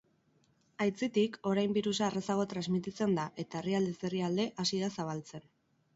Aitzitik, orain birusa errazago transmititzen da eta herrialdez herrialde hasi da zabaltzen.